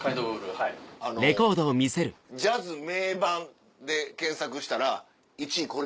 あの「ジャズ名盤」で検索したら１位これなんです。